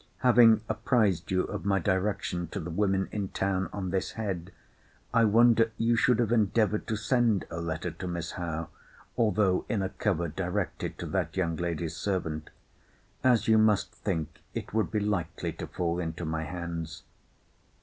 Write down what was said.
Having apprized you of my direction to the women in town on this head, I wonder you should have endeavoured to send a letter to Miss Howe, although in a cover directed to that young lady's* servant; as you must think it would be likely to fall into my hands.